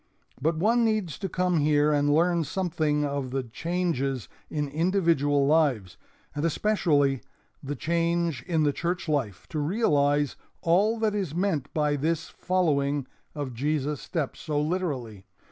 But one needs to come here and learn something of the changes in individual lives, and especially the change in the church life, to realize all that is meant by this following of Jesus' steps so literally.